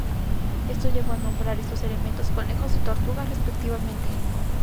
Esto llevó a nombrar estos elementos "conejos" y "tortugas", respectivamente.